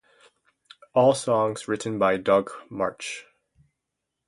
All songs written by Doug Martsch.